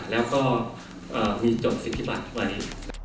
แล้วก็มีจดสิทธิบัตรไว้